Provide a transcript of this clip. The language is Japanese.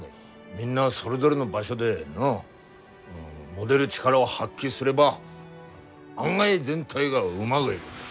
みんなそれぞれの場所で持でる力を発揮すれば案外全体がうまぐいぐ。